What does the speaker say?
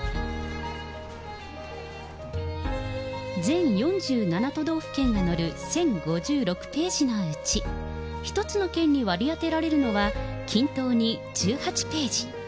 全４７都道府県の載る１０５６ページのうち、１つの県に割り当てられるのは、均等に１８ページ。